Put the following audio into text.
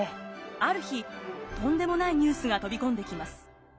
ある日とんでもないニュースが飛び込んできます。